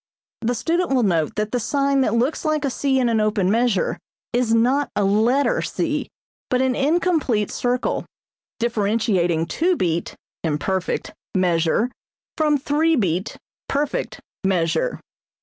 The student will note that the sign [common time symbol] is not a letter C, but an incomplete circle, differentiating two beat (imperfect) measure from three beat (perfect) measure.